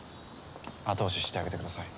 後押ししてあげてください。